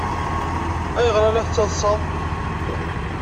Ayɣer ay la tettaḍsaḍ?